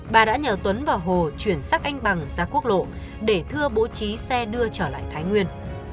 bà đã nhờ tuấn và hồ chuyển xác anh bằng ra quốc lộ để thưa bố trí xe đưa trở lại thái nguyên